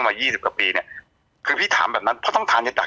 ยี่สิบกว่าปีเนี้ยคือพี่ถามแบบนั้นเพราะต้องทานเยอะจาก